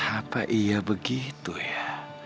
apa iya begitu ya